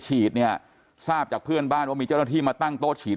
เนี่ยทราบจากเพื่อนบ้านว่ามีเจ้าหน้าที่มาตั้งโต๊ะฉีด